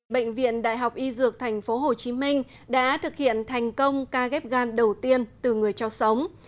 bệnh viện đại học y dược tp hcm đã thực hiện thành công ca ghép gan đầu tiên từ người cho sống